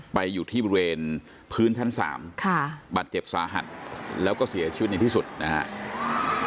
อยู่ที่บริเวณพื้นชั้น๓ค่ะบาดเจ็บสาหัสแล้วก็เสียชีวิตในที่สุดนะครับ